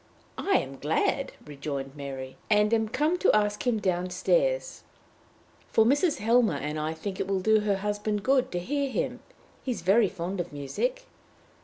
"I am glad," rejoined Mary, "and am come to ask him down stairs; for Mrs. Helmer and I think it will do her husband good to hear him. He is very fond of music."